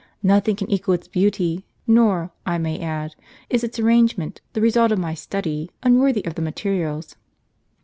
Nothing can equal its beauty ; nor, I may add, is its arrangement, the result of my study, unworthy of the materials."